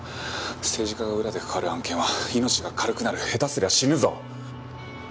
「政治家が裏で関わる案件は命が軽くなる」下手すりゃ死ぬぞ！